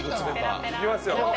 ・行きますよ。